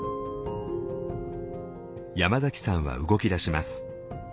山崎さんは動き出します。